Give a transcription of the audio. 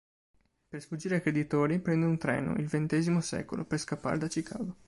Per sfuggire ai creditori, prende un treno, il "Ventesimo secolo", per scappare da Chicago.